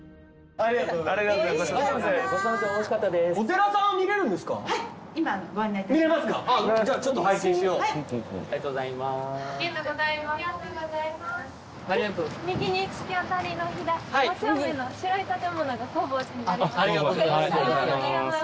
ありがとうございます。